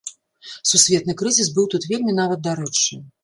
Сусветны крызіс быў тут вельмі нават дарэчы.